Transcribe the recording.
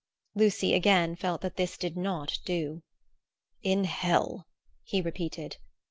Lucy again felt that this did not do. "In Hell," he repeated.